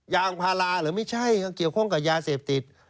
ยางพาราหรือไม่ใช่ก็เกี่ยวข้องกับยาเสพติด